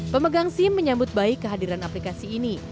pemegang sim menyambut baik kehadiran aplikasi ini